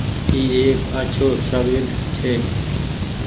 اي ايڪ آڇو ساگرد ڇي۔